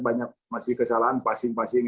banyak masih kesalahan passing passing